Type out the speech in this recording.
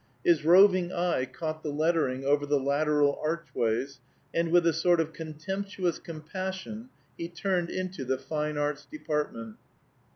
His roving eye caught the lettering over the lateral archways, and with a sort of contemptuous compassion he turned into the Fine Arts Department.